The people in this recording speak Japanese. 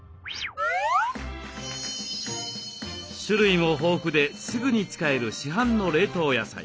種類も豊富ですぐに使える市販の冷凍野菜。